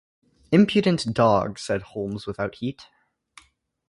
"Impudent dog," said Holmes without heat.